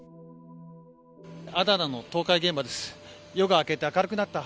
アダナの倒壊現場です。